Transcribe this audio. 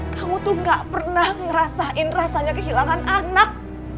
kamu tuh gak pernah ngerasain rasanya kehilangan anak